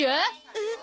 えっ？